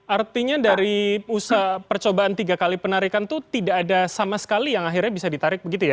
artinya dari usaha percobaan tiga kali penarikan itu tidak ada sama sekali yang akhirnya bisa ditarik begitu ya